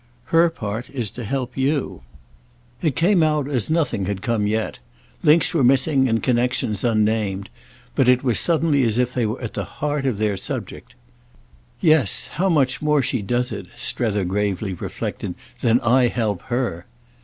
Her part is to help you." It came out as nothing had come yet; links were missing and connexions unnamed, but it was suddenly as if they were at the heart of their subject. "Yes; how much more she does it," Strether gravely reflected, "than I help _her!